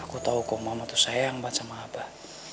aku tahu kok mama tuh sayang banget sama abah